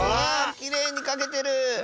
きれいにかけてる！